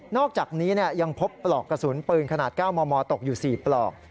อกจากนี้ยังพบปลอกกระสุนปืนขนาด๙มมตกอยู่๔ปลอก